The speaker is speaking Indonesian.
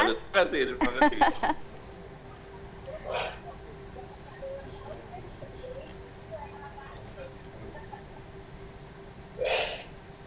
terima kasih pak gatot